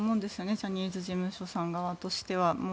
ジャニーズ事務所さん側としては。